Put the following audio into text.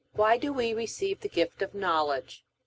Why do we receive the gift of Knowledge?